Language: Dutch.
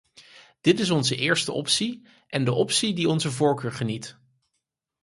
Dit is onze eerste optie en de optie die onze voorkeur geniet.